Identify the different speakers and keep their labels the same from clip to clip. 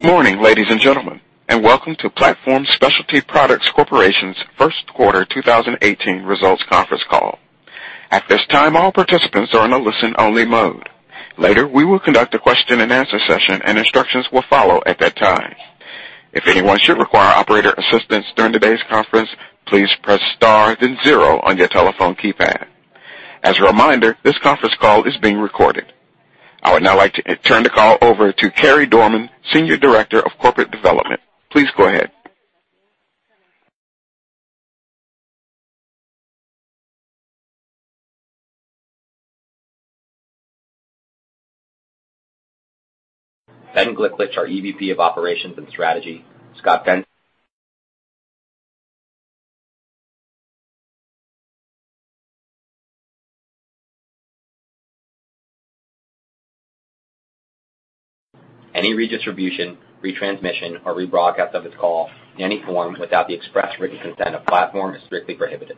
Speaker 1: Good morning, ladies and gentlemen, and welcome to Platform Specialty Products Corporation's first quarter 2018 results conference call. At this time, all participants are in a listen-only mode. Later, we will conduct a question and answer session and instructions will follow at that time. If anyone should require operator assistance during today's conference, please press star then zero on your telephone keypad. As a reminder, this conference call is being recorded. I would now like to turn the call over to Carey Dorman, Senior Director of Corporate Development. Please go ahead.
Speaker 2: Ben Gliklich, our EVP of Operations and Strategy. Any redistribution, retransmission, or rebroadcast of this call in any form without the express written consent of Platform is strictly prohibited.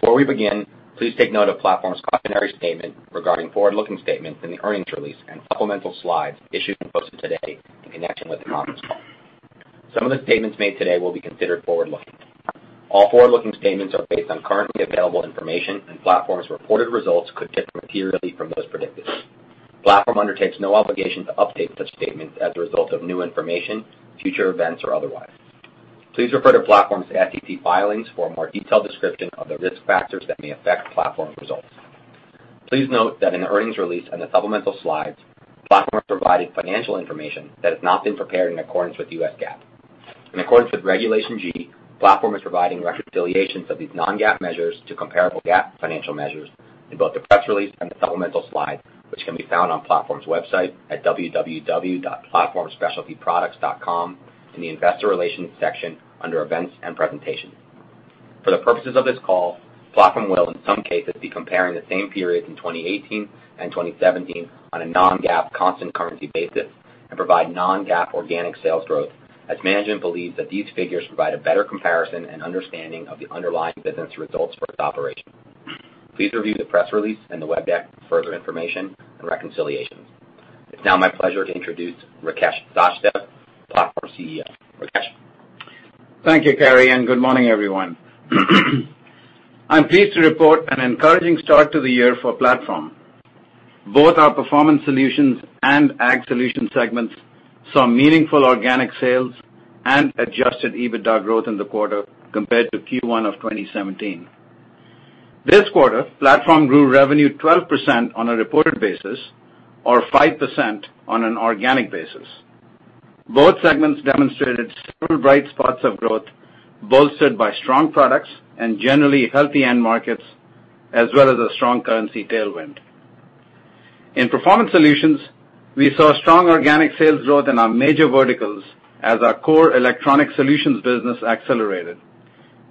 Speaker 2: Before we begin, please take note of Platform's cautionary statement regarding forward-looking statements in the earnings release and supplemental slides issued and posted today in connection with the conference call. Some of the statements made today will be considered forward-looking. All forward-looking statements are based on currently available information, and Platform's reported results could differ materially from those predicted. Platform undertakes no obligation to update such statements as a result of new information, future events, or otherwise. Please refer to Platform's SEC filings for a more detailed description of the risk factors that may affect Platform's results. Please note that in the earnings release and the supplemental slides, Platform provided financial information that has not been prepared in accordance with the U.S. GAAP. In accordance with Regulation G, Platform is providing reconciliations of these non-GAAP measures to comparable GAAP financial measures in both the press release and the supplemental slides, which can be found on Platform's website at www.platformspecialtyproducts.com in the investor relations section under events and presentations. For the purposes of this call, Platform will in some cases be comparing the same periods in 2018 and 2017 on a non-GAAP constant currency basis and provide non-GAAP organic sales growth as management believes that these figures provide a better comparison and understanding of the underlying business results for its operation. Please review the press release and the web deck for further information and reconciliations. It's now my pleasure to introduce Rakesh Sachdev, Platform CEO. Rakesh.
Speaker 3: Thank you, Carey, and good morning, everyone. I'm pleased to report an encouraging start to the year for Platform. Both our Performance Solutions and Ag Solutions segments saw meaningful organic sales and adjusted EBITDA growth in the quarter compared to Q1 of 2017. This quarter, Platform grew revenue 12% on a reported basis or 5% on an organic basis. Both segments demonstrated several bright spots of growth bolstered by strong products and generally healthy end markets, as well as a strong currency tailwind. In Performance Solutions, we saw strong organic sales growth in our major verticals as our core Electronics Solutions business accelerated,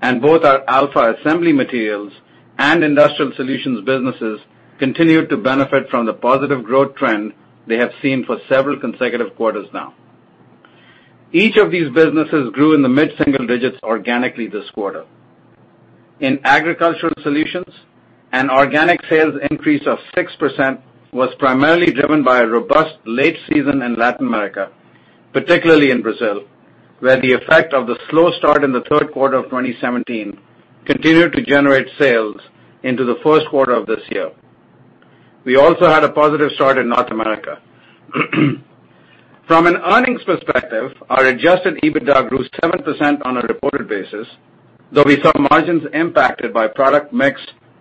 Speaker 3: and both our Alpha Assembly Materials and Industrial Solutions businesses continued to benefit from the positive growth trend they have seen for several consecutive quarters now. Each of these businesses grew in the mid-single digits organically this quarter. In Agricultural Solutions, an organic sales increase of 6% was primarily driven by a robust late season in Latin America, particularly in Brazil, where the effect of the slow start in the third quarter of 2017 continued to generate sales into the first quarter of this year. We also had a positive start in North America. From an earnings perspective, our adjusted EBITDA grew 7% on a reported basis, though we saw margins impacted by product mix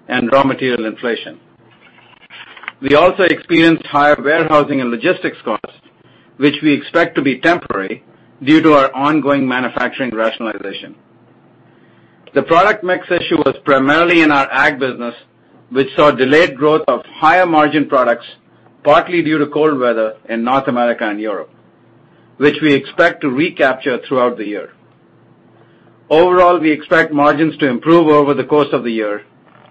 Speaker 3: and raw material inflation. We also experienced higher warehousing and logistics costs, which we expect to be temporary due to our ongoing manufacturing rationalization. The product mix issue was primarily in our Ag business, which saw delayed growth of higher margin products, partly due to cold weather in North America and Europe, which we expect to recapture throughout the year. Overall, we expect margins to improve over the course of the year.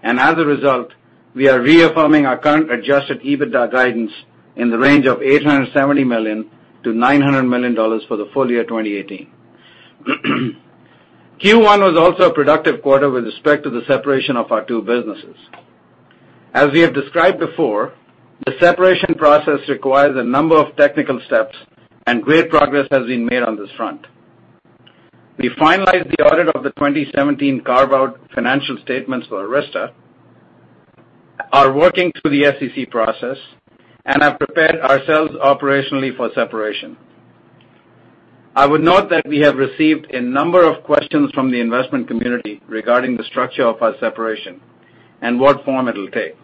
Speaker 3: As a result, we are reaffirming our current adjusted EBITDA guidance in the range of $870 million to $900 million for the full year 2018. Q1 was also a productive quarter with respect to the separation of our two businesses. As we have described before, the separation process requires a number of technical steps and great progress has been made on this front. We finalized the audit of the 2017 carve-out financial statements for Arysta, are working through the SEC process, and have prepared ourselves operationally for separation. I would note that we have received a number of questions from the investment community regarding the structure of our separation and what form it will take.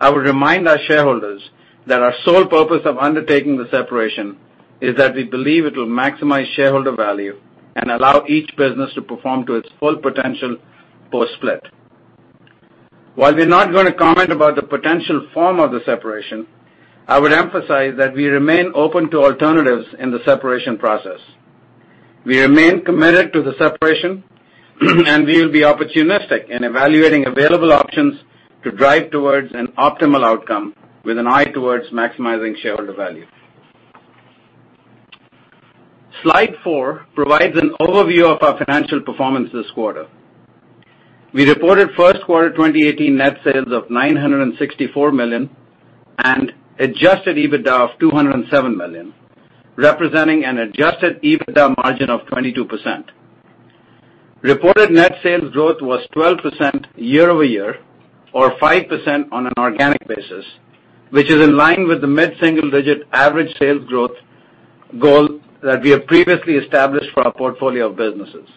Speaker 3: I would remind our shareholders that our sole purpose of undertaking the separation is that we believe it will maximize shareholder value and allow each business to perform to its full potential post-split. While we are not going to comment about the potential form of the separation, I would emphasize that we remain open to alternatives in the separation process. We remain committed to the separation, and we will be opportunistic in evaluating available options to drive towards an optimal outcome with an eye towards maximizing shareholder value. Slide four provides an overview of our financial performance this quarter. We reported first quarter 2018 net sales of $964 million and adjusted EBITDA of $207 million, representing an adjusted EBITDA margin of 22%. Reported net sales growth was 12% year-over-year, or 5% on an organic basis, which is in line with the mid-single-digit average sales growth goal that we have previously established for our portfolio of businesses.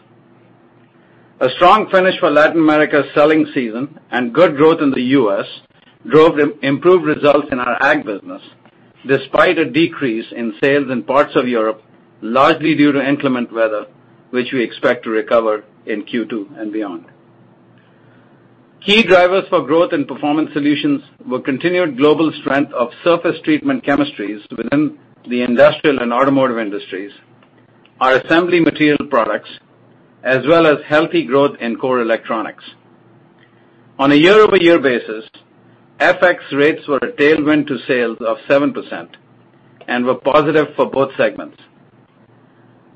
Speaker 3: A strong finish for Latin America selling season and good growth in the U.S. drove improved results in our Ag business, despite a decrease in sales in parts of Europe, largely due to inclement weather, which we expect to recover in Q2 and beyond. Key drivers for growth and Performance Solutions were continued global strength of surface treatment chemistries within the industrial and automotive industries, our assembly material products, as well as healthy growth in core electronics. On a year-over-year basis, FX rates were a tailwind to sales of 7% and were positive for both segments.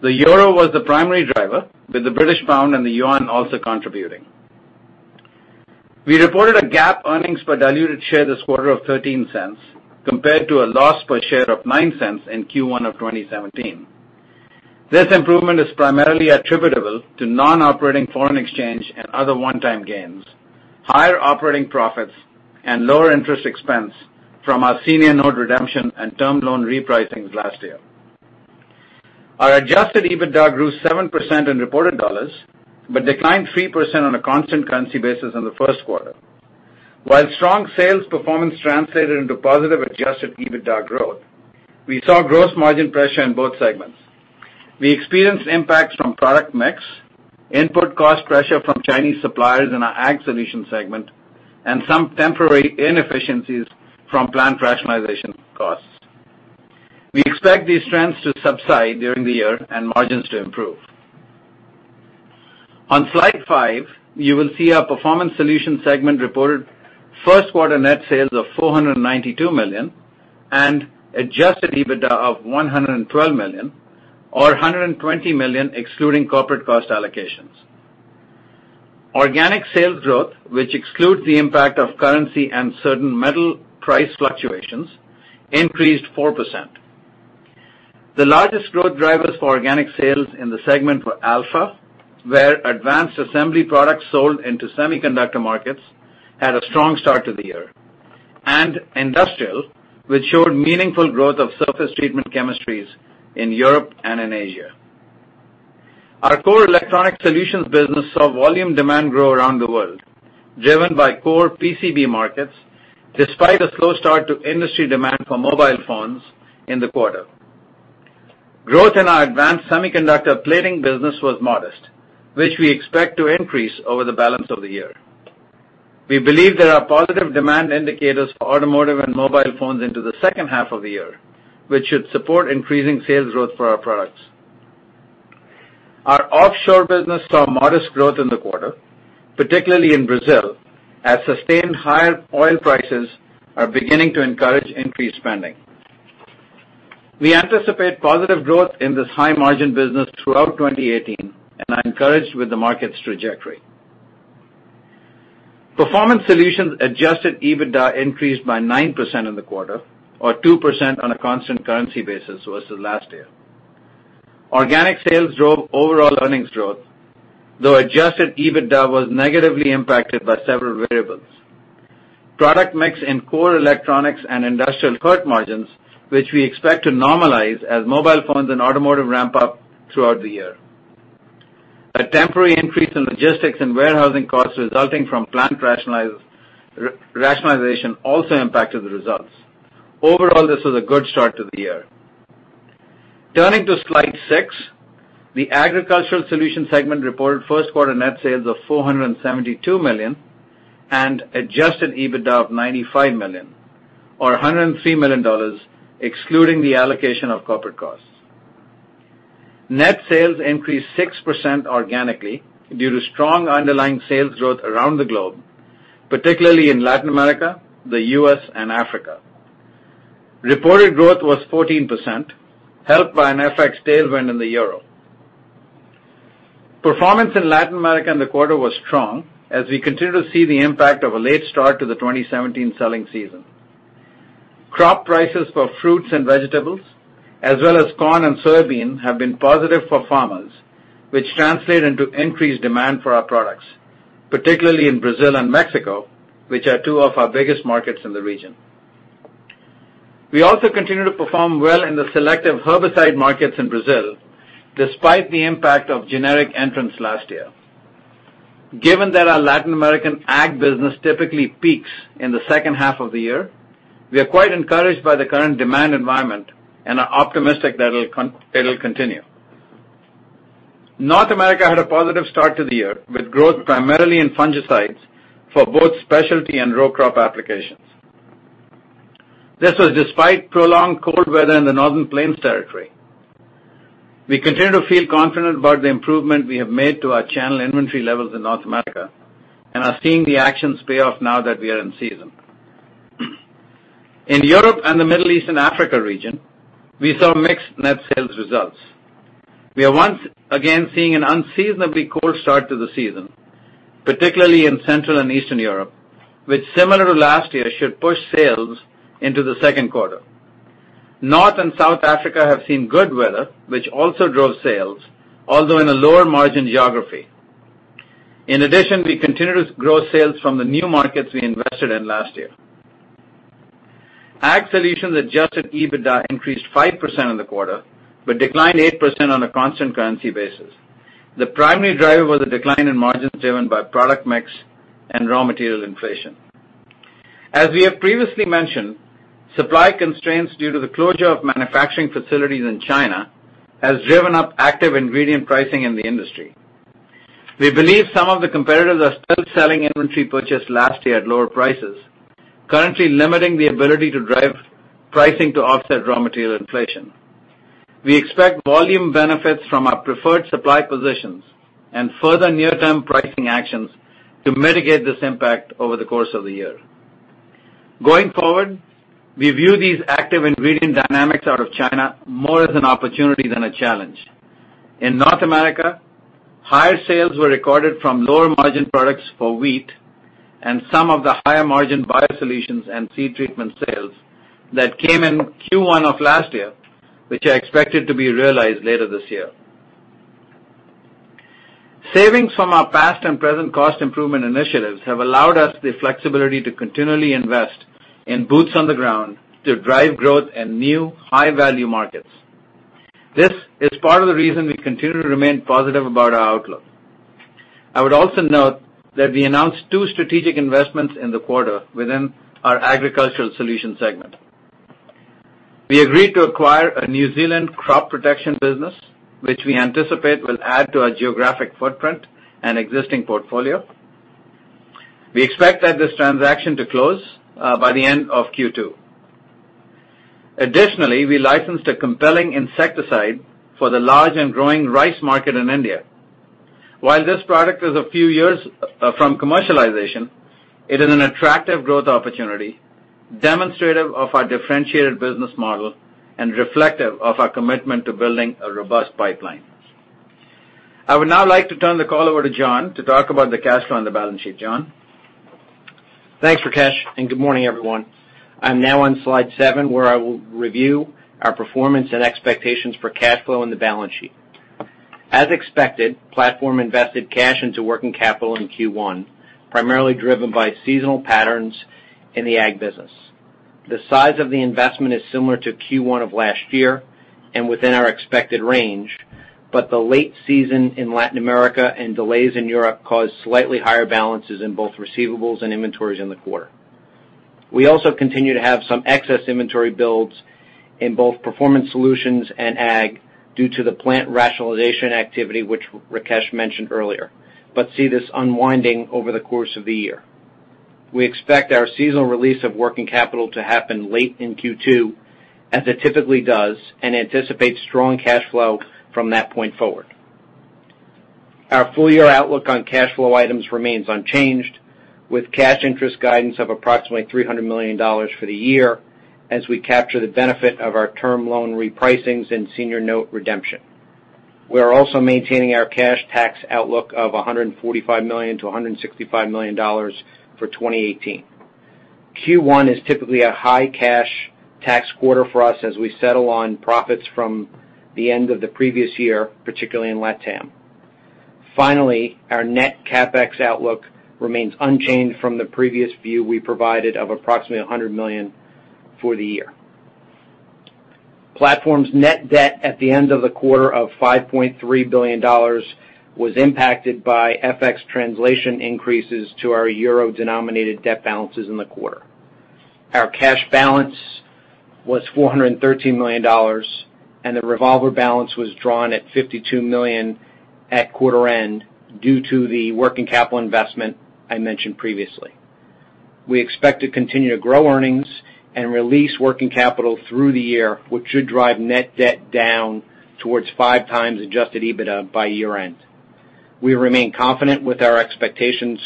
Speaker 3: The euro was the primary driver, with the British pound and the yuan also contributing. We reported a GAAP earnings per diluted share this quarter of $0.13 compared to a loss per share of $0.09 in Q1 of 2017. This improvement is primarily attributable to non-operating foreign exchange and other one-time gains, higher operating profits, and lower interest expense from our senior node redemption and term loan repricings last year. Our adjusted EBITDA grew 7% in reported dollars, but declined 3% on a constant currency basis in the first quarter. While strong sales performance translated into positive adjusted EBITDA growth, we saw gross margin pressure in both segments. We experienced impacts from product mix, input cost pressure from Chinese suppliers in our Ag Solutions segment, and some temporary inefficiencies from plant rationalization costs. We expect these trends to subside during the year and margins to improve. On slide five, you will see our Performance Solutions segment reported first quarter net sales of $492 million and adjusted EBITDA of $112 million or $120 million, excluding corporate cost allocations. Organic sales growth, which excludes the impact of currency and certain metal price fluctuations, increased 4%. The largest growth drivers for organic sales in the segment were Alpha, where advanced assembly products sold into semiconductor markets had a strong start to the year, and industrial, which showed meaningful growth of surface treatment chemistries in Europe and in Asia. Our core Electronics Solutions business saw volume demand grow around the world, driven by core PCB markets, despite a slow start to industry demand for mobile phones in the quarter. Growth in our advanced semiconductor plating business was modest, which we expect to increase over the balance of the year. We believe there are positive demand indicators for automotive and mobile phones into the second half of the year, which should support increasing sales growth for our products. Our offshore business saw modest growth in the quarter, particularly in Brazil, as sustained higher oil prices are beginning to encourage increased spending. We anticipate positive growth in this high-margin business throughout 2018, and are encouraged with the market's trajectory. Performance Solutions adjusted EBITDA increased by 9% in the quarter, or 2% on a constant currency basis versus last year. Organic sales drove overall earnings growth, though adjusted EBITDA was negatively impacted by several variables. Product mix in core electronics and industrial cut margins, which we expect to normalize as mobile phones and automotive ramp up throughout the year. A temporary increase in logistics and warehousing costs resulting from plant rationalization also impacted the results. Overall, this was a good start to the year. Turning to slide six, the Agricultural Solutions segment reported first quarter net sales of $472 million and adjusted EBITDA of $95 million, or $103 million, excluding the allocation of corporate costs. Net sales increased 6% organically due to strong underlying sales growth around the globe, particularly in Latin America, the U.S., and Africa. Reported growth was 14%, helped by an FX tailwind in the euro. Performance in Latin America in the quarter was strong as we continue to see the impact of a late start to the 2017 selling season. Crop prices for fruits and vegetables, as well as corn and soybean, have been positive for farmers, which translate into increased demand for our products, particularly in Brazil and Mexico, which are two of our biggest markets in the region. We also continue to perform well in the selective herbicide markets in Brazil, despite the impact of generic entrants last year. Given that our Latin American Ag Solutions business typically peaks in the second half of the year, we are quite encouraged by the current demand environment and are optimistic that it'll continue. North America had a positive start to the year, with growth primarily in fungicides for both specialty and row crop applications. This was despite prolonged cold weather in the Northern Plains territory. We continue to feel confident about the improvement we have made to our channel inventory levels in North America and are seeing the actions pay off now that we are in season. In Europe and the Middle East and Africa region, we saw mixed net sales results. We are once again seeing an unseasonably cold start to the season, particularly in Central and Eastern Europe, which similar to last year, should push sales into the second quarter. North and South Africa have seen good weather, which also drove sales, although in a lower margin geography. In addition, we continue to grow sales from the new markets we invested in last year. Ag Solutions adjusted EBITDA increased 5% in the quarter, but declined 8% on a constant currency basis. The primary driver was a decline in margins driven by product mix and raw material inflation. As we have previously mentioned, supply constraints due to the closure of manufacturing facilities in China has driven up active ingredient pricing in the industry. We believe some of the competitors are still selling inventory purchased last year at lower prices, currently limiting the ability to drive pricing to offset raw material inflation. We expect volume benefits from our preferred supply positions and further near-term pricing actions to mitigate this impact over the course of the year. Going forward, we view these active ingredient dynamics out of China more as an opportunity than a challenge. In North America, higher sales were recorded from lower margin products for wheat and some of the higher margin biosolutions and seed treatment sales that came in Q1 of last year, which are expected to be realized later this year. Savings from our past and present cost improvement initiatives have allowed us the flexibility to continually invest in boots on the ground to drive growth in new high-value markets. This is part of the reason we continue to remain positive about our outlook. I would also note that we announced two strategic investments in the quarter within our Agricultural Solutions segment. We agreed to acquire a New Zealand crop protection business, which we anticipate will add to our geographic footprint and existing portfolio. We expect that this transaction to close by the end of Q2. Additionally, we licensed a compelling insecticide for the large and growing rice market in India. While this product is a few years from commercialization, it is an attractive growth opportunity, demonstrative of our differentiated business model, and reflective of our commitment to building a robust pipeline. I would now like to turn the call over to John to talk about the cash flow and the balance sheet. John?
Speaker 4: Thanks, Rakesh, good morning, everyone. I am now on slide seven, where I will review our performance and expectations for cash flow and the balance sheet. As expected, Platform invested cash into working capital in Q1, primarily driven by seasonal patterns in the Ag business. The size of the investment is similar to Q1 of last year and within our expected range, the late season in Latin America and delays in Europe caused slightly higher balances in both receivables and inventories in the quarter. We also continue to have some excess inventory builds in both Performance Solutions and Ag due to the plant rationalization activity, which Rakesh mentioned earlier, see this unwinding over the course of the year. We expect our seasonal release of working capital to happen late in Q2, as it typically does, anticipate strong cash flow from that point forward. Our full-year outlook on cash flow items remains unchanged, with cash interest guidance of approximately $300 million for the year as we capture the benefit of our term loan repricings and senior note redemption. We are also maintaining our cash tax outlook of $145 million-$165 million for 2018. Q1 is typically a high cash tax quarter for us as we settle on profits from the end of the previous year, particularly in LatAm. Finally, our net CapEx outlook remains unchanged from the previous view we provided of approximately $100 million for the year. Platform's net debt at the end of the quarter of $5.3 billion was impacted by FX translation increases to our euro-denominated debt balances in the quarter. Our cash balance was $413 million, the revolver balance was drawn at $52 million at quarter end due to the working capital investment I mentioned previously. We expect to continue to grow earnings and release working capital through the year, which should drive net debt down towards 5x adjusted EBITDA by year-end. We remain confident with our expectations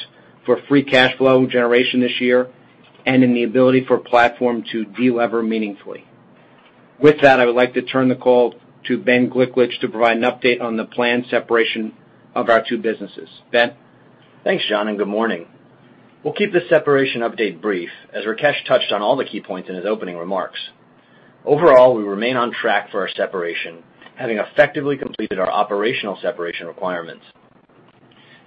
Speaker 4: for free cash flow generation this year and in the ability for Platform to de-lever meaningfully. With that, I would like to turn the call to Ben Gliklich to provide an update on the planned separation of our two businesses. Ben?
Speaker 5: Thanks, John, good morning. We will keep the separation update brief, as Rakesh touched on all the key points in his opening remarks. Overall, we remain on track for our separation, having effectively completed our operational separation requirements.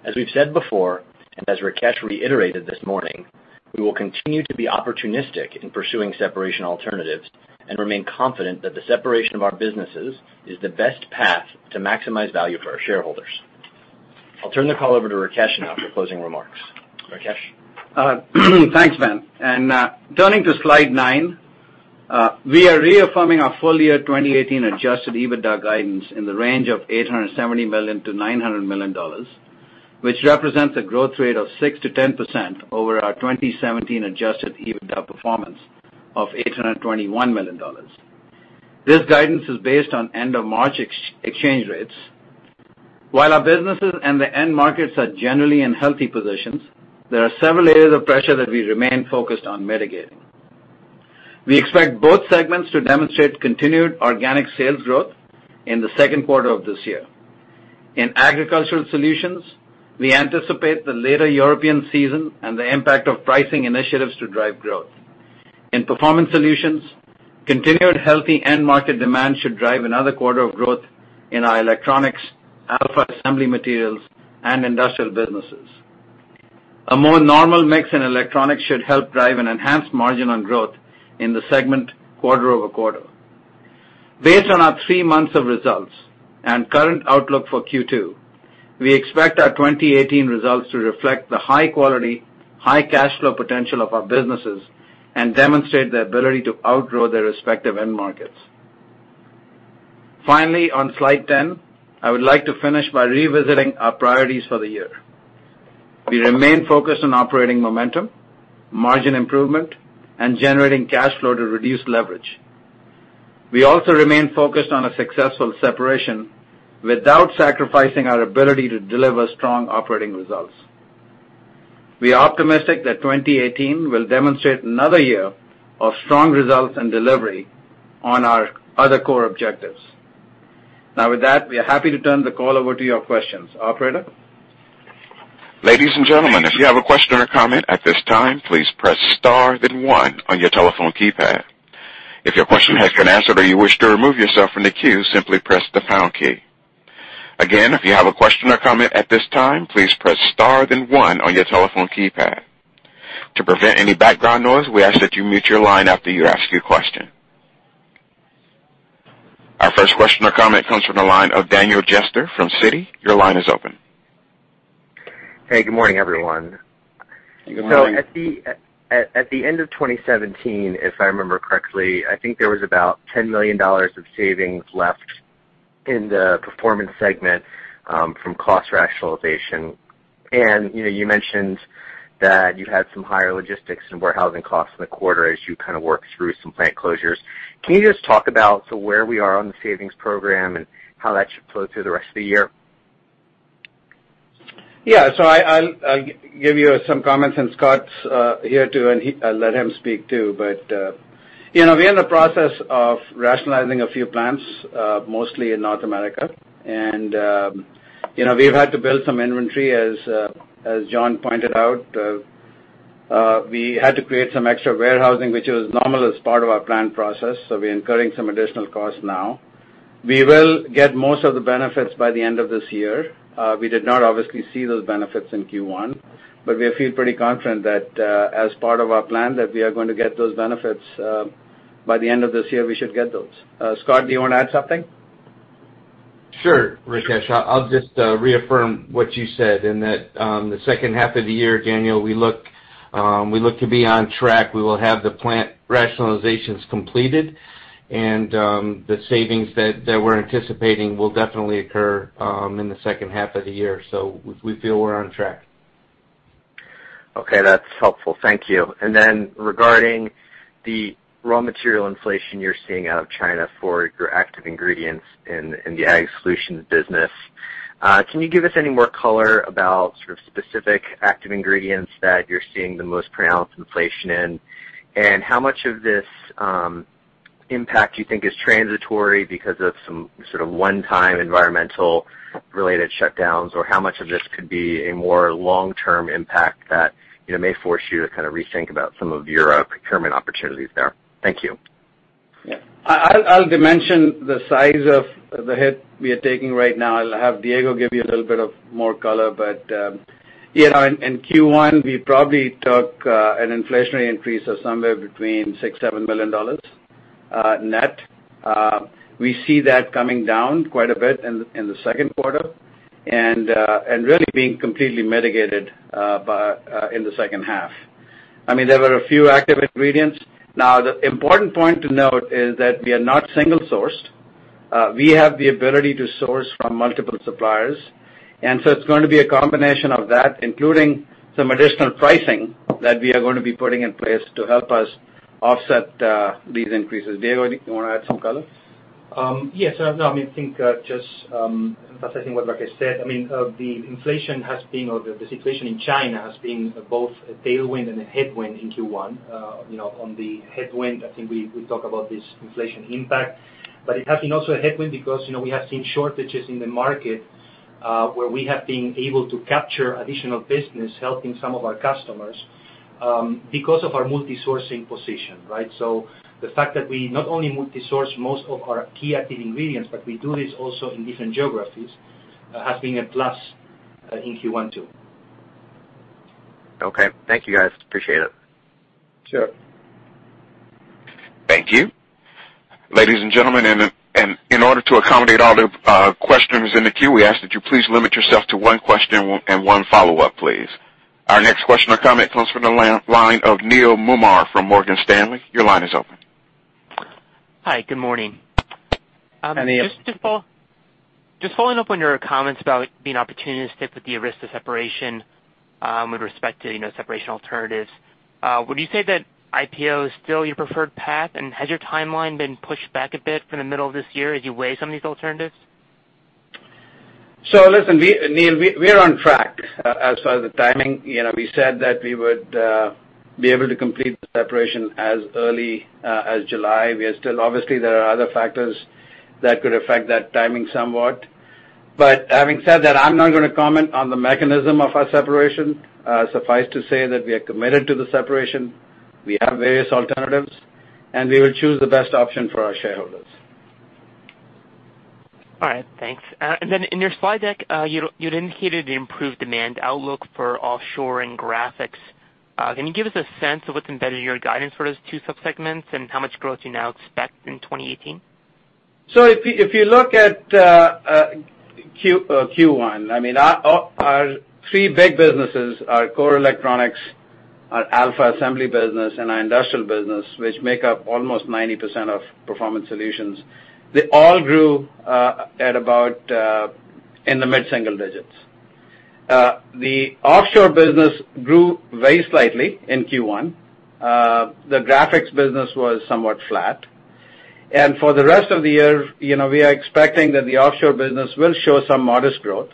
Speaker 5: As we have said before, as Rakesh reiterated this morning, we will continue to be opportunistic in pursuing separation alternatives and remain confident that the separation of our businesses is the best path to maximize value for our shareholders. I will turn the call over to Rakesh now for closing remarks. Rakesh?
Speaker 3: Thanks, Ben. Turning to slide nine, we are reaffirming our full-year 2018 adjusted EBITDA guidance in the range of $870 million-$900 million, which represents a growth rate of 6%-10% over our 2017 adjusted EBITDA performance of $821 million. This guidance is based on end of March exchange rates. Our businesses and the end markets are generally in healthy positions, there are several areas of pressure that we remain focused on mitigating. We expect both segments to demonstrate continued organic sales growth in the second quarter of this year. In Agricultural Solutions, we anticipate the later European season and the impact of pricing initiatives to drive growth. In Performance Solutions, continued healthy end market demand should drive another quarter of growth in our electronics, Alpha Assembly Materials, and industrial businesses. A more normal mix in electronics should help drive an enhanced margin on growth in the segment quarter-over-quarter. Based on our three months of results and current outlook for Q2, we expect our 2018 results to reflect the high quality, high cash flow potential of our businesses, and demonstrate the ability to outgrow their respective end markets. Finally, on slide 10, I would like to finish by revisiting our priorities for the year. We remain focused on operating momentum, margin improvement, and generating cash flow to reduce leverage. We also remain focused on a successful separation without sacrificing our ability to deliver strong operating results. We are optimistic that 2018 will demonstrate another year of strong results and delivery on our other core objectives. With that, we are happy to turn the call over to your questions. Operator?
Speaker 1: Ladies and gentlemen, if you have a question or comment at this time, please press star then one on your telephone keypad. If your question has been answered or you wish to remove yourself from the queue, simply press the pound key. Again, if you have a question or comment at this time, please press star then one on your telephone keypad. To prevent any background noise, we ask that you mute your line after you ask your question. Our first question or comment comes from the line of Daniel Jester from Citi. Your line is open.
Speaker 6: Hey, good morning, everyone.
Speaker 3: Good morning.
Speaker 6: At the end of 2017, if I remember correctly, I think there was about $10 million of savings left in the Performance segment from cost rationalization. You mentioned that you had some higher logistics and warehousing costs in the quarter as you kind of worked through some plant closures. Can you just talk about where we are on the savings program and how that should flow through the rest of the year?
Speaker 3: Yeah. I'll give you some comments, and Scot's here too, and I'll let him speak too. We're in the process of rationalizing a few plants, mostly in North America. We've had to build some inventory, as John pointed out. We had to create some extra warehousing, which was normal as part of our plan process. We're incurring some additional costs now. We will get most of the benefits by the end of this year. We did not obviously see those benefits in Q1. We feel pretty confident that as part of our plan, that we are going to get those benefits. By the end of this year, we should get those. Scott, do you want to add something?
Speaker 7: Sure, Rakesh. I'll just reaffirm what you said in that the second half of the year, Daniel, we look to be on track. We will have the plant rationalizations completed, and the savings that we're anticipating will definitely occur in the second half of the year. We feel we're on track.
Speaker 6: Okay. That's helpful. Thank you. Regarding the raw material inflation you're seeing out of China for your active ingredients in the Ag Solutions business, can you give us any more color about sort of specific active ingredients that you're seeing the most pronounced inflation in? How much of this impact you think is transitory because of some sort of one-time environmental-related shutdowns? Or how much of this could be a more long-term impact that may force you to kind of rethink about some of your procurement opportunities there? Thank you.
Speaker 3: Yeah. I'll dimension the size of the hit we are taking right now. I'll have Diego give you a little bit of more color. In Q1, we probably took an inflationary increase of somewhere between $6 million-$7 million net. We see that coming down quite a bit in the second quarter, and really being completely mitigated in the second half. There were a few active ingredients. The important point to note is that we are not single-sourced. We have the ability to source from multiple suppliers. It's going to be a combination of that, including some additional pricing that we are going to be putting in place to help us offset these increases. Diego, do you want to add some color?
Speaker 8: Yes. I think just emphasizing what Rakesh said. The inflation in China has been both a tailwind and a headwind in Q1. On the headwind, I think we talk about this inflation impact. It has been also a headwind because we have seen shortages in the market, where we have been able to capture additional business helping some of our customers because of our multi-sourcing position, right? The fact that we not only multi-source most of our key active ingredients, but we do this also in different geographies, has been a plus in Q1 too.
Speaker 6: Okay. Thank you, guys. Appreciate it.
Speaker 3: Sure.
Speaker 1: Thank you. Ladies and gentlemen, in order to accommodate all the questions in the queue, we ask that you please limit yourself to one question and one follow-up, please. Our next question or comment comes from the line of Neil Mumar from Morgan Stanley. Your line is open.
Speaker 9: Hi. Good morning.
Speaker 3: Hey, Neel.
Speaker 9: Just following up on your comments about being opportunistic with the Arysta separation, with respect to separation alternatives. Would you say that IPO is still your preferred path? Has your timeline been pushed back a bit from the middle of this year as you weigh some of these alternatives?
Speaker 3: Listen, Neel, we are on track as far as the timing. We said that we would be able to complete the separation as early as July. Obviously, there are other factors that could affect that timing somewhat. Having said that, I'm not going to comment on the mechanism of our separation. Suffice to say that we are committed to the separation. We have various alternatives, and we will choose the best option for our shareholders.
Speaker 9: All right, thanks. Then in your slide deck, you'd indicated the improved demand outlook for offshore and graphics. Can you give us a sense of what's embedded in your guidance for those two sub-segments and how much growth you now expect in 2018?
Speaker 3: If you look at Q1, our three big businesses are core Electronics Solutions, our Alpha Assembly Materials business, and our Industrial Solutions business, which make up almost 90% of Performance Solutions. They all grew at about in the mid-single digits. The offshore business grew very slightly in Q1. The graphics business was somewhat flat. For the rest of the year, we are expecting that the offshore business will show some modest growth.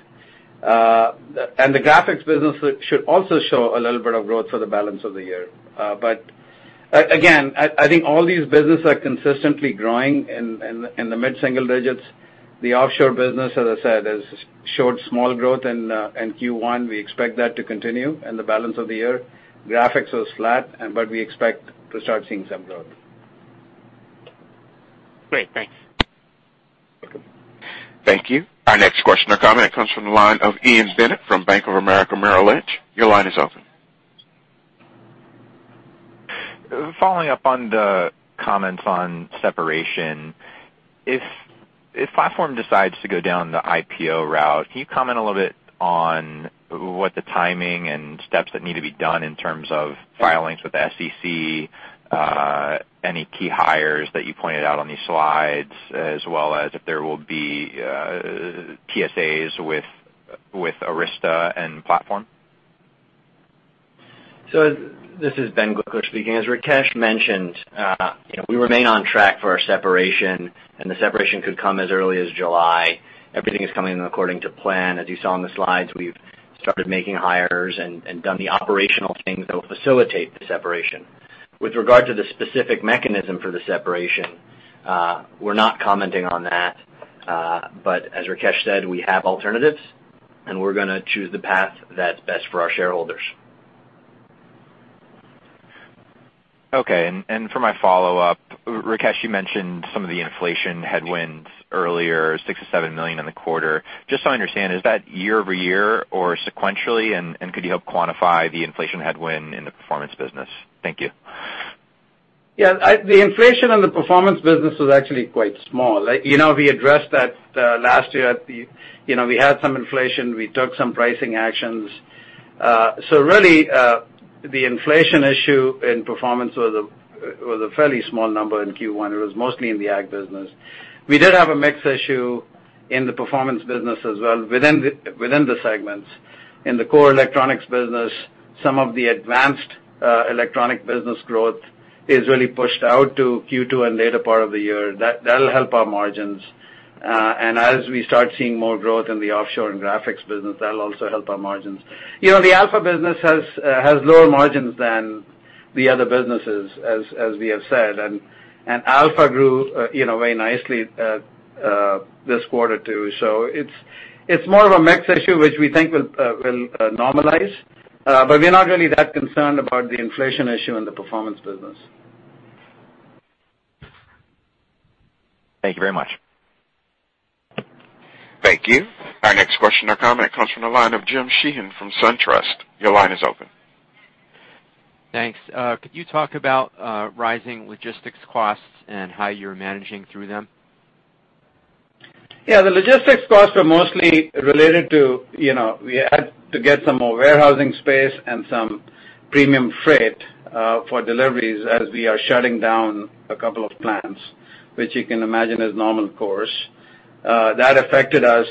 Speaker 3: The graphics business should also show a little bit of growth for the balance of the year. Again, I think all these businesses are consistently growing in the mid-single digits. The offshore business, as I said, has showed small growth in Q1. We expect that to continue in the balance of the year. Graphics was flat, but we expect to start seeing some growth.
Speaker 9: Great. Thanks.
Speaker 3: Welcome.
Speaker 1: Thank you. Our next question or comment comes from the line of Ian Bennett from Bank of America Merrill Lynch. Your line is open.
Speaker 10: Following up on the comments on separation. If Platform decides to go down the IPO route, can you comment a little bit on what the timing and steps that need to be done in terms of filings with the SEC, any key hires that you pointed out on these slides, as well as if there will be TSAs with Arysta and Platform?
Speaker 5: This is Ben Gliklich speaking. As Rakesh mentioned, we remain on track for our separation, and the separation could come as early as July. Everything is coming in according to plan. As you saw on the slides, we've started making hires and done the operational things that will facilitate the separation. With regard to the specific mechanism for the separation, we're not commenting on that. As Rakesh said, we have alternatives, and we're going to choose the path that's best for our shareholders.
Speaker 10: Okay. For my follow-up, Rakesh, you mentioned some of the inflation headwinds earlier, $6 million-$7 million in the quarter. Just so I understand, is that year-over-year or sequentially, and could you help quantify the inflation headwind in the Performance business? Thank you.
Speaker 3: Yeah. The inflation in the Performance Solutions business was actually quite small. We addressed that last year. We had some inflation. We took some pricing actions. Really, the inflation issue in Performance Solutions was a fairly small number in Q1. It was mostly in the Ag Solutions business. We did have a mix issue in the Performance Solutions business as well within the segments. In the core Electronics Solutions business, some of the advanced electronic business growth is really pushed out to Q2 and later part of the year. That'll help our margins. As we start seeing more growth in the offshore and graphics business, that'll also help our margins. The Alpha business has lower margins than the other businesses, as we have said, and Alpha grew very nicely this quarter, too. It's more of a mix issue, which we think will normalize. We're not really that concerned about the inflation issue in the Performance Solutions business.
Speaker 10: Thank you very much.
Speaker 1: Thank you. Our next question or comment comes from the line of Jim Sheehan from SunTrust. Your line is open.
Speaker 11: Thanks. Could you talk about rising logistics costs and how you're managing through them?
Speaker 3: Yeah, the logistics costs are mostly related to, we had to get some more warehousing space and some premium freight for deliveries as we are shutting down a couple of plants, which you can imagine is normal course. That affected us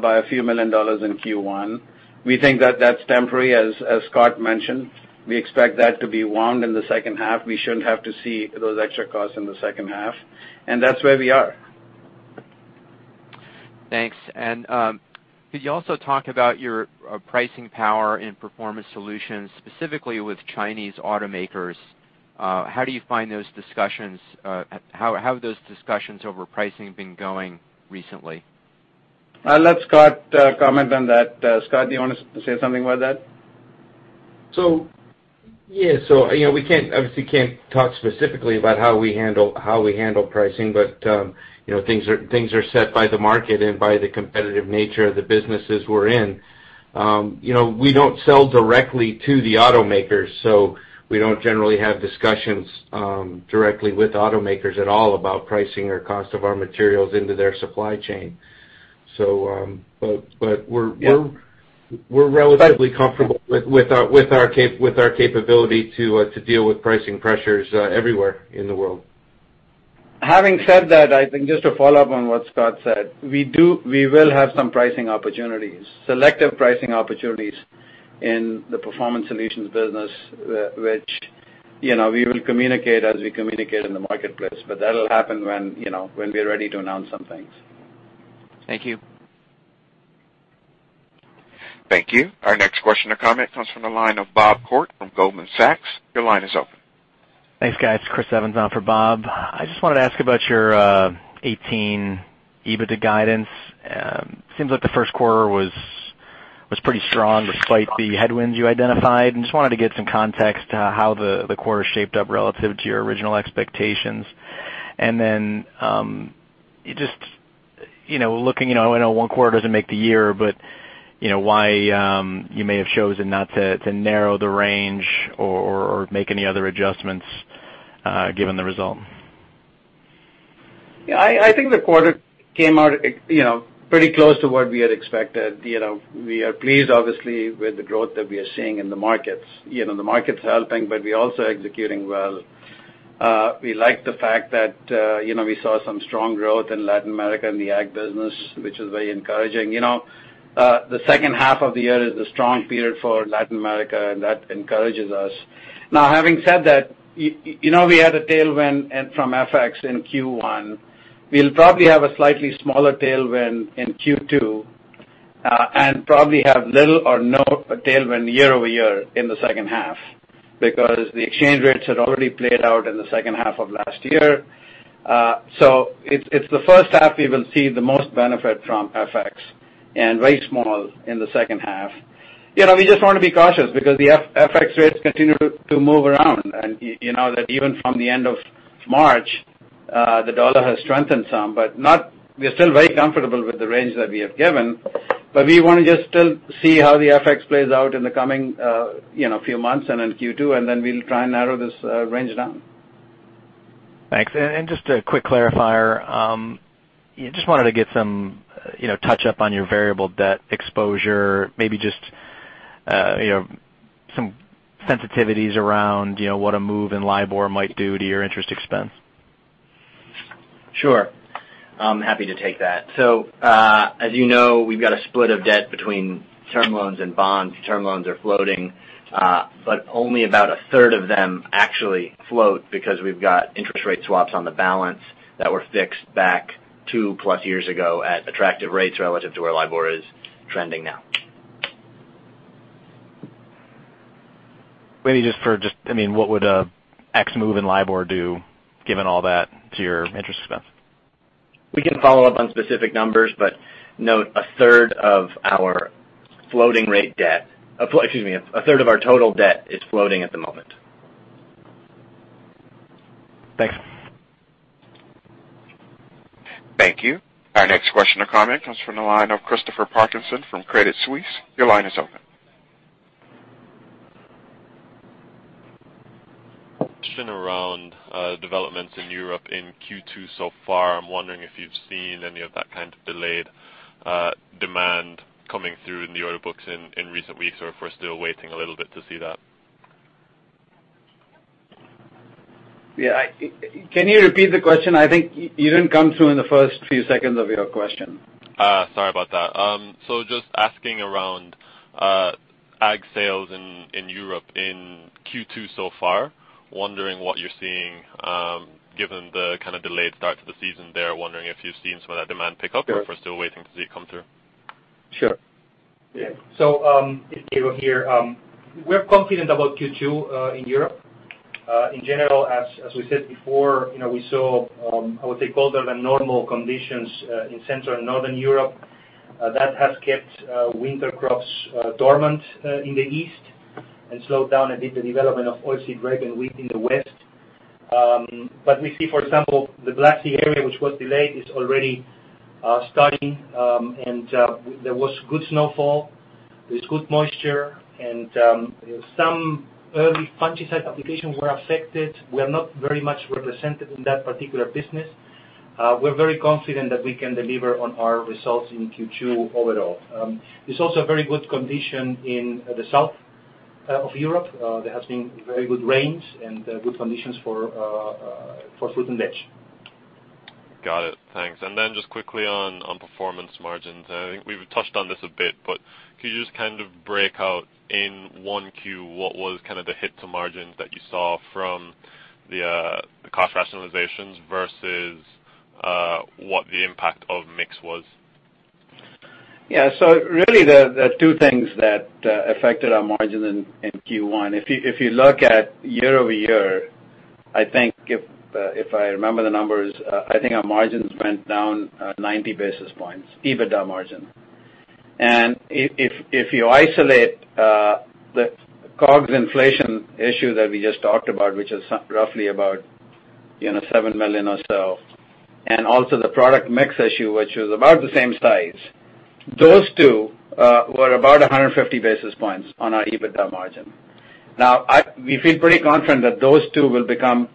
Speaker 3: by a few million dollars in Q1. We think that that's temporary, as Scot mentioned. We expect that to be wound in the second half. We shouldn't have to see those extra costs in the second half. That's where we are.
Speaker 11: Thanks. Could you also talk about your pricing power in Performance Solutions, specifically with Chinese automakers? How have those discussions over pricing been going recently?
Speaker 3: I'll let Scot comment on that. Scot, do you want to say something about that?
Speaker 7: Yeah, we obviously can't talk specifically about how we handle pricing, things are set by the market and by the competitive nature of the businesses we're in. We don't sell directly to the automakers, we don't generally have discussions directly with automakers at all about pricing or cost of our materials into their supply chain. We're relatively comfortable with our capability to deal with pricing pressures everywhere in the world.
Speaker 3: Having said that, I think just to follow up on what Scot said, we will have some pricing opportunities, selective pricing opportunities in the Performance Solutions business, which we will communicate as we communicate in the marketplace. That'll happen when we're ready to announce some things.
Speaker 11: Thank you.
Speaker 1: Thank you. Our next question or comment comes from the line of Bob Koort from Goldman Sachs. Your line is open.
Speaker 12: Thanks, guys. Chris Evans on for Bob. I just wanted to ask about your 2018 EBITDA guidance. Seems like the first quarter was pretty strong despite the headwinds you identified. Just wanted to get some context to how the quarter shaped up relative to your original expectations. Then, just looking, I know one quarter doesn't make the year, but why you may have chosen not to narrow the range or make any other adjustments given the result.
Speaker 3: I think the quarter came out pretty close to what we had expected. We are pleased, obviously, with the growth that we are seeing in the markets. The market's helping, but we're also executing well. We like the fact that we saw some strong growth in Latin America in the ag business, which is very encouraging. The second half of the year is a strong period for Latin America, and that encourages us. Having said that, we had a tailwind from FX in Q1. We'll probably have a slightly smaller tailwind in Q2, and probably have little or no tailwind year-over-year in the second half, because the exchange rates had already played out in the second half of last year. It's the first half we will see the most benefit from FX, and very small in the second half. We just want to be cautious because the FX rates continue to move around, and you know that even from the end of March, the dollar has strengthened some. We are still very comfortable with the range that we have given, but we want to just still see how the FX plays out in the coming few months and in Q2. Then we'll try and narrow this range down.
Speaker 12: Thanks. Just a quick clarifier. Just wanted to get some touch up on your variable debt exposure, maybe just some sensitivities around what a move in LIBOR might do to your interest expense.
Speaker 5: I'm happy to take that. As you know, we've got a split of debt between term loans and bonds. Term loans are floating. Only about a third of them actually float because we've got interest rate swaps on the balance that were fixed back two-plus years ago at attractive rates relative to where LIBOR is trending now.
Speaker 12: Maybe just for, I mean, what would an X move in LIBOR do, given all that, to your interest expense?
Speaker 5: We can follow up on specific numbers, note, a third of our total debt is floating at the moment.
Speaker 12: Thanks.
Speaker 1: Thank you. Our next question or comment comes from the line of Christopher Parkinson from Credit Suisse. Your line is open.
Speaker 13: Question around developments in Europe in Q2 so far. I am wondering if you have seen any of that kind of delayed demand coming through in the order books in recent weeks, or if we are still waiting a little bit to see that.
Speaker 3: Yeah. Can you repeat the question? I think you did not come through in the first few seconds of your question.
Speaker 13: Sorry about that. Just asking around ag sales in Europe in Q2 so far, wondering what you are seeing, given the kind of delayed start to the season there, wondering if you have seen some of that demand pick up or if we are still waiting to see it come through.
Speaker 3: Sure.
Speaker 8: Yeah. It is Diego here. We are confident about Q2 in Europe. In general, as we said before, we saw, I would say, colder than normal conditions in Central and Northern Europe. That has kept winter crops dormant in the east and slowed down a bit the development of oilseed rape and wheat in the west. We see, for example, the Black Sea area, which was delayed, is already starting, and there was good snowfall. There is good moisture, and some early fungicide applications were affected. We are not very much represented in that particular business. We are very confident that we can deliver on our results in Q2 overall. There is also very good condition in the South of Europe. There has been very good rains and good conditions for fruit and veg.
Speaker 13: Got it. Thanks. Then just quickly on Performance margins. I think we've touched on this a bit, but could you just kind of break out in 1Q, what was kind of the hit to margins that you saw from the cost rationalizations versus what the impact of mix was?
Speaker 3: Really, there are two things that affected our margin in Q1. If you look at year-over-year, I think if I remember the numbers, I think our margins went down 90 basis points, EBITDA margin. If you isolate the COGS inflation issue that we just talked about, which is roughly about 7 million or so, and also the product mix issue, which was about the same size, those two were about 150 basis points on our EBITDA margin. We feel pretty confident that those two will become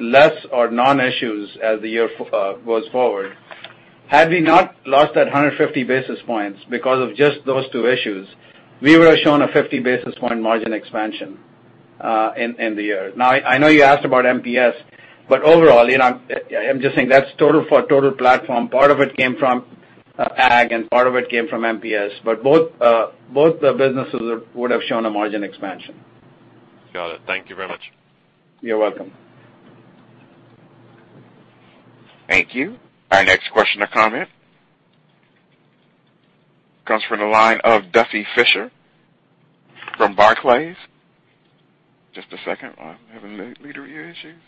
Speaker 3: less or non-issues as the year goes forward. Had we not lost that 150 basis points because of just those two issues, we would've shown a 50 basis point margin expansion in the year. I know you asked about MPS, but overall, I'm just saying that's for total Platform. Part of it came from Ag and part of it came from MPS, both the businesses would've shown a margin expansion.
Speaker 13: Got it. Thank you very much.
Speaker 3: You're welcome.
Speaker 1: Thank you. Our next question or comment comes from the line of Duffy Fischer from Barclays. Just a second. I'm having a little ear issues.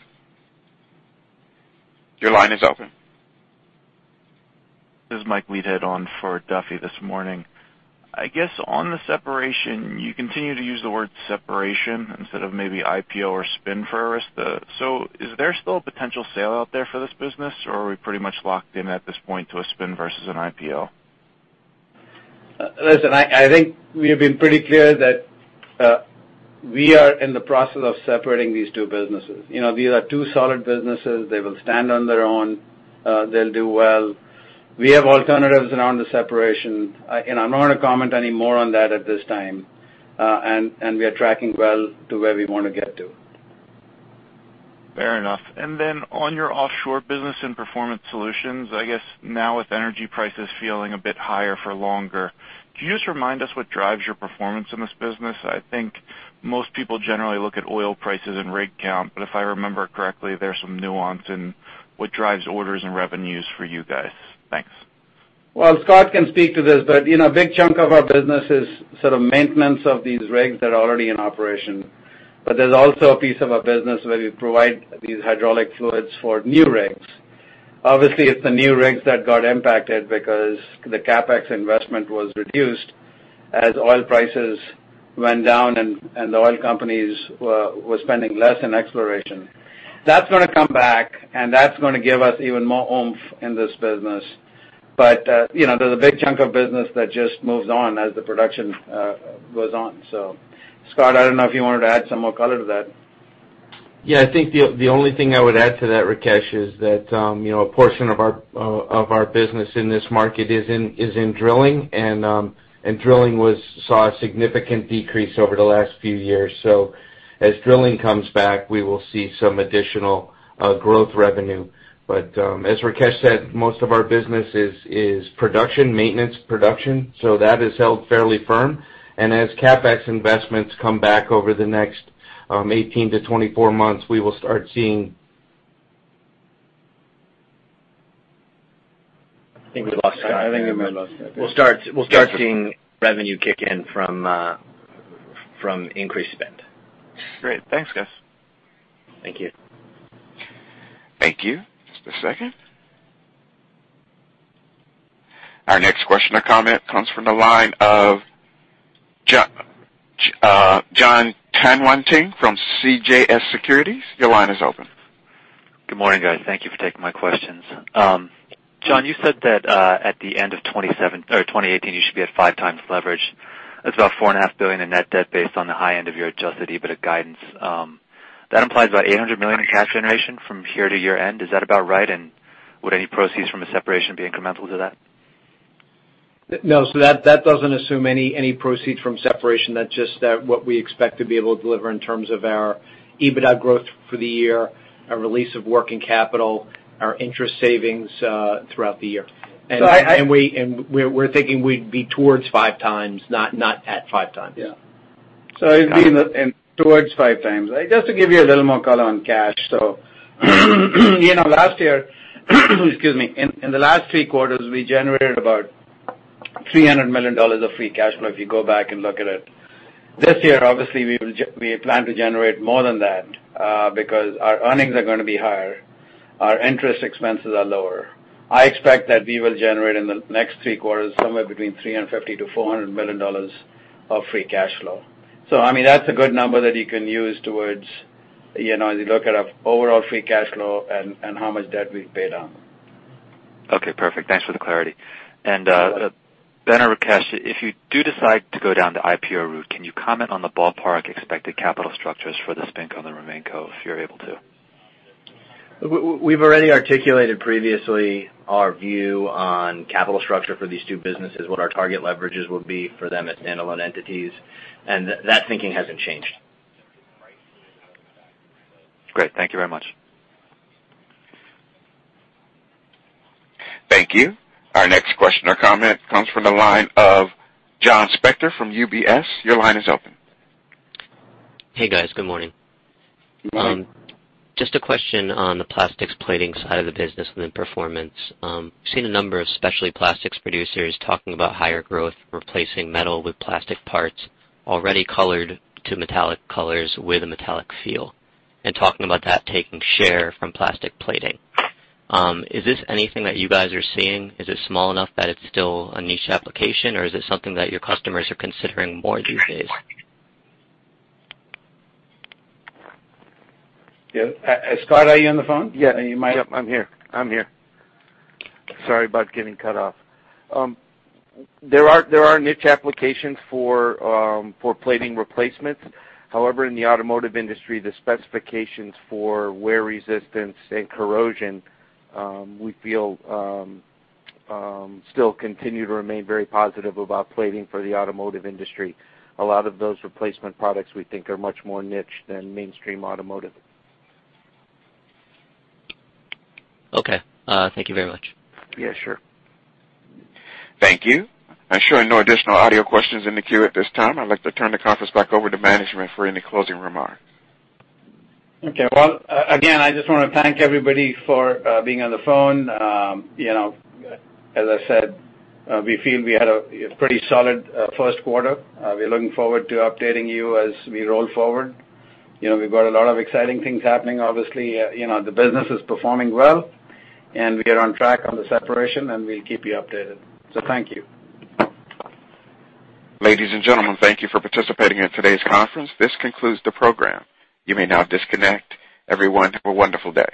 Speaker 1: Your line is open.
Speaker 14: This is Mike Leithead on for Duffy this morning. I guess, on the separation, you continue to use the word separation instead of maybe IPO or spin for Arysta. Is there still a potential sale out there for this business, or are we pretty much locked in at this point to a spin versus an IPO?
Speaker 3: Listen, I think we have been pretty clear that we are in the process of separating these two businesses. These are two solid businesses. They will stand on their own. They'll do well. We have alternatives around the separation. I'm not going to comment any more on that at this time. We are tracking well to where we want to get to.
Speaker 14: Fair enough. On your offshore business and Performance Solutions, I guess now with energy prices feeling a bit higher for longer, can you just remind us what drives your performance in this business? I think most people generally look at oil prices and rig count, but if I remember correctly, there's some nuance in what drives orders and revenues for you guys. Thanks.
Speaker 3: Well, Scot can speak to this, but a big chunk of our business is sort of maintenance of these rigs that are already in operation. There's also a piece of our business where we provide these hydraulic fluids for new rigs. Obviously, it's the new rigs that got impacted because the CapEx investment was reduced as oil prices went down, and the oil companies were spending less in exploration. That's gonna come back, and that's gonna give us even more oomph in this business. There's a big chunk of business that just moves on as the production goes on. Scot, I don't know if you wanted to add some more color to that.
Speaker 7: Yeah, I think the only thing I would add to that, Rakesh, is that a portion of our business in this market is in drilling, and drilling saw a significant decrease over the last few years. As drilling comes back, we will see some additional growth revenue. As Rakesh said, most of our business is production maintenance, so that has held fairly firm. As CapEx investments come back over the next 18 to 24 months, we will start seeing
Speaker 1: I think we lost Scot.
Speaker 2: I think we might have lost Scot. Yeah.
Speaker 5: We'll start seeing revenue kick in from increased spend.
Speaker 14: Great. Thanks, guys.
Speaker 5: Thank you.
Speaker 1: Thank you. Just a second. Our next question or comment comes from the line of Jon Tanwanteng from CJS Securities. Your line is open.
Speaker 15: Good morning, guys. Thank you for taking my questions. John, you said that at the end of 2018, you should be at five times leverage. That's about four and a half billion in net debt based on the high end of your adjusted EBITDA guidance. That implies about $800 million in cash generation from here to year-end. Is that about right, and would any proceeds from a separation be incremental to that?
Speaker 5: No. That doesn't assume any proceeds from separation. That's just what we expect to be able to deliver in terms of our EBITDA growth for the year, our release of working capital, our interest savings throughout the year. We're thinking we'd be towards five times, not at five times.
Speaker 3: Yeah. It'd be towards five times. Just to give you a little more color on cash, last year, in the last three quarters, we generated about $300 million of free cash flow, if you go back and look at it. This year, obviously, we plan to generate more than that because our earnings are gonna be higher, our interest expenses are lower. I expect that we will generate in the next three quarters somewhere between $350 million-$400 million of free cash flow. I mean, that's a good number that you can use as you look at our overall free cash flow and how much debt we've paid on.
Speaker 15: Okay, perfect. Thanks for the clarity. Ben or Rakesh, if you do decide to go down the IPO route, can you comment on the ballpark expected capital structures for the spinco and the remainco, if you're able to?
Speaker 5: We've already articulated previously our view on capital structure for these two businesses, what our target leverages will be for them as standalone entities, and that thinking hasn't changed.
Speaker 15: Great. Thank you very much.
Speaker 1: Thank you. Our next question or comment comes from the line of Joshua Spector from UBS. Your line is open.
Speaker 16: Hey, guys. Good morning.
Speaker 3: Good morning.
Speaker 16: I've seen a number of specialty plastics producers talking about higher growth, replacing metal with plastic parts already colored to metallic colors with a metallic feel, and talking about that taking share from plastics plating. Is this anything that you guys are seeing? Is it small enough that it's still a niche application, or is it something that your customers are considering more these days?
Speaker 3: Scot, are you on the phone?
Speaker 7: Yeah.
Speaker 3: You might-
Speaker 7: Yep, I'm here. Sorry about getting cut off. There are niche applications for plating replacements. In the automotive industry, the specifications for wear resistance and corrosion, we feel, still continue to remain very positive about plating for the automotive industry. A lot of those replacement products, we think, are much more niche than mainstream automotive.
Speaker 16: Okay. Thank you very much.
Speaker 7: Yeah, sure.
Speaker 1: Thank you. I'm showing no additional audio questions in the queue at this time. I'd like to turn the conference back over to management for any closing remarks.
Speaker 3: Okay. Well, again, I just wanna thank everybody for being on the phone. As I said, we feel we had a pretty solid first quarter. We're looking forward to updating you as we roll forward. We've got a lot of exciting things happening. Obviously, the business is performing well. We are on track on the separation. We'll keep you updated. Thank you.
Speaker 1: Ladies and gentlemen, thank you for participating in today's conference. This concludes the program. You may now disconnect. Everyone, have a wonderful day.